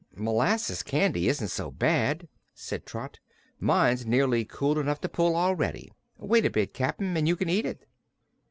"Molasses candy isn't so bad," said Trot. "Mine's nearly cool enough to pull, already. Wait a bit, Cap'n, and you can eat it."